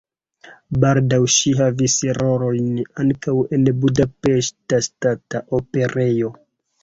Baldaŭ ŝi havis rolojn ankaŭ en Budapeŝta Ŝtata Operejo.